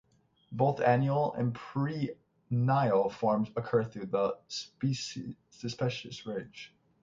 Both annual and perennial forms occur throughout the species' range.